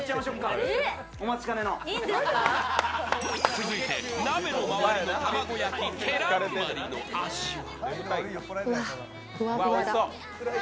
続いて鍋の周りの卵焼き、ケランマリの味は？